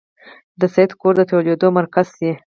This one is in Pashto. د سید کور د ټولېدلو مرکز شي.